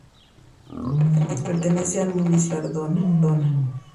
Pertenece al Municipio de Cardona.